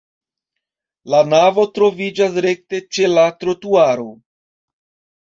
La navo troviĝas rekte ĉe la trotuaro.